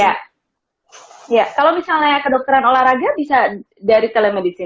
ya kalau misalnya kedokteran olahraga bisa dari telemedicine